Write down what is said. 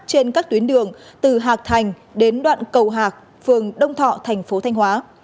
trên các tuyến đường từ hạc thành đến đoạn cầu hạc phường đông thọ thành phố thanh hóa